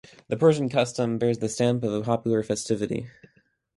The Persian custom bears the stamp of a popular festivity.